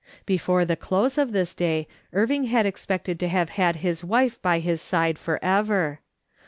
Before the close of this day Irving had expected to have had his wife by his side for ever.